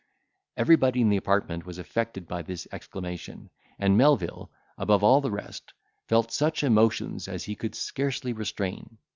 Everybody in the apartment was affected by this exclamation; and Melvil, above all the rest, felt such emotions as he could scarcely restrain.